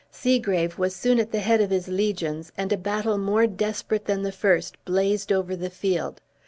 Segrave was soon at the head of his legions, and a battle more desperate than the first blazed over the field.